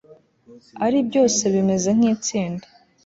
ari byose bimeze nkitsinda